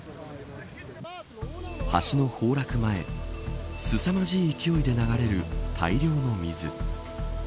橋の崩落前すさまじい勢いで流れる大量の水。